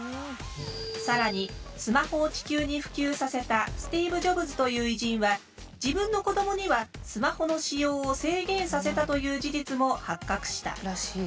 更にスマホを地球に普及させたスティーブ・ジョブズという偉人は自分の子どもにはスマホの使用を制限させたという事実も発覚した。